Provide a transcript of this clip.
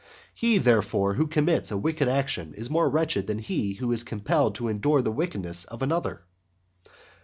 He, therefore, who commits a wicked action is more wretched than he who is compelled to endure the wickedness of another.